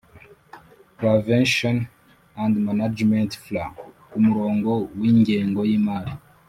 prevention and management Frw ku murongo w ingengo y imari